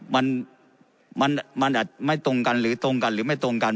มันมันอาจไม่ตรงกันหรือตรงกันหรือไม่ตรงกัน